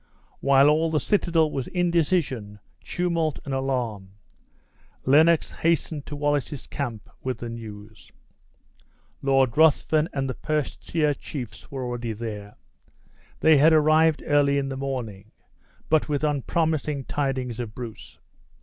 While all the citadel was indecision, tumult, and alarm, Lennox hastened to Wallace's camp with the news. Lord Ruthven and the Perthshire chiefs were already there. They had arrived early in the morning, but with unpromising tidings of Bruce.